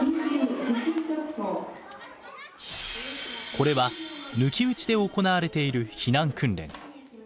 これは抜き打ちで行われている避難訓練。